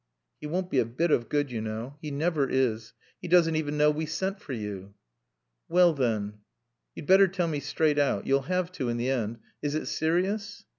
"He won't be a bit of good, you know. He never is. He doesn't even know we sent for you." "Well, then " "You'd better tell me straight out. You'll have to, in the end. Is it serious?"